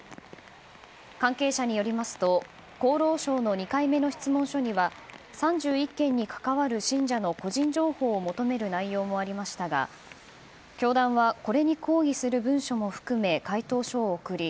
関係者によりますと厚労省の２回目の質問書には３１件に関わる信者の個人情報を求める内容もありましたが教団はこれに抗議する文書も含め回答書を送り